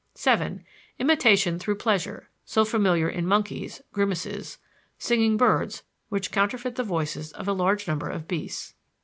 (7) Imitation through pleasure, so familiar in monkeys (grimaces); singing birds which counterfeit the voices of a large number of beasts.